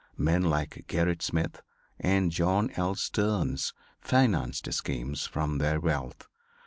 Men like Gerrit Smith and John L. Stearns financed his schemes from their wealth.